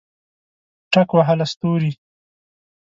ټک وهله ستوري